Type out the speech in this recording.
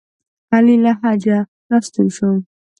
علي له حجه راستون شو.